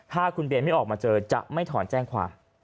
ถ้าคุณเบนไม่ออกมาเจอจะไม่ถอนแจ้งความ